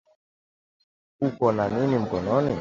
uko na nini mkononi.